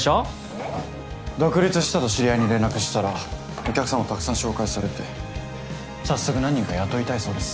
えっ？独立したと知り合いに連絡したらお客さんをたくさん紹介されて早速何人か雇いたいそうです。